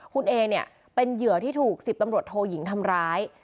คุณเอเนี่ยเป็นเหยื่อที่ถูก๑๐ตำรวจโทยิงทำร้าย